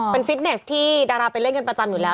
เป็นฟิตเนสที่ดาราไปเล่นกันประจำอยู่แล้ว